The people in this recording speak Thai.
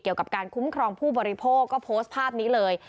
เกี่ยวกับการคุ้มครองผู้บริโภคก็โพสต์ภาพนี้เลย